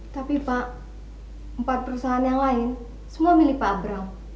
tapi pak empat perusahaan yang lain semua milih pak abraham